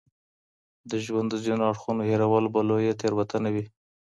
د ژوند د ځينو اړخونو هېرول به لويه تېروتنه وي.